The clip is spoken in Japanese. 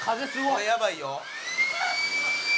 これやばいよ。